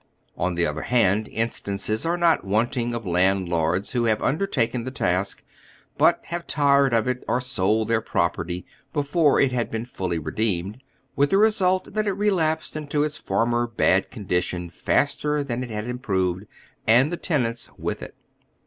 On the other hand, instances are not wanting of landlords who have undertaken the task, but have tired of it or sold their property before it had been fully redeemed, with the result that it relapsed into its former bad condi tion faster than it had improved, and the tenants with it.